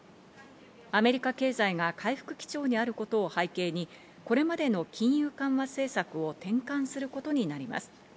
アメリカ経済が回復基調にあることを背景に、これまでの金融緩和政策を転換することになります。